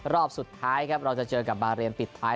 รอบสุดท้ายครับเราจะเจอกับบาเรนปิดท้าย